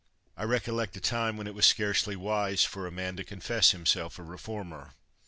I recollect a time when it was scarcely wise for a man to confess himself a reformer.